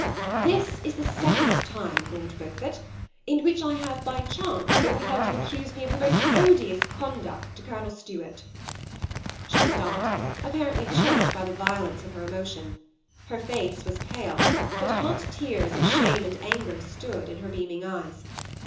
" This is the second time. Lord Beaufort, in which I have by chance overheard you accuse me of the most odious conduct to CoWnel Stuart." She stopped, ap parently choked by the violence of her emotion; her face was pale, but hot tears of shame and anger stood in her beaming eyes.